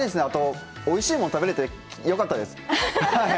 あとおいしいもん食べれてよかったです！